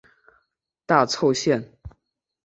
大凑线。